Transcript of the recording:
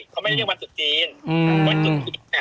จริงของอนุญาต